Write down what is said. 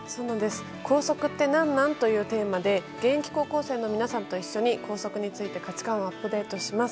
「校則って、なんなん？」というテーマで現役高校生の皆さんと一緒に校則について価値観をアップデートします。